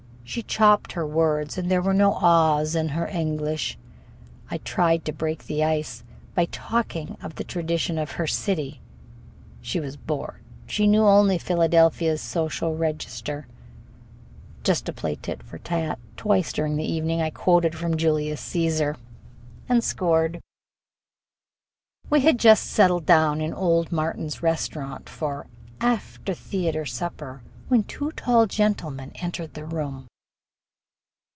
She chopped her words and there were no r's in her English. I tried to break the ice by talking of the traditions of her city. She was bored. She knew only Philadelphia's social register. Just to play tit for tat, twice during the evening I quoted from "Julius Caesar" and scored! We had just settled down in old Martin's Restaurant for after theater supper when two tall gentlemen entered the room.